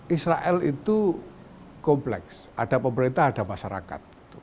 israel itu kompleks ada pemerintah ada masyarakat